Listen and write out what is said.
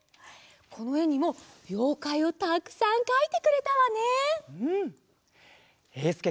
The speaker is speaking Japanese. このえにもようかいをたくさんかいてくれたわね！